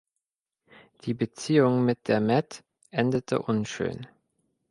Die Beziehung mit der Met endete unschön.